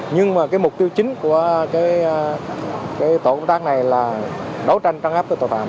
nhưng mục tiêu chính của tổ công tác này là đấu tranh trắng ngắp các loại tội phạm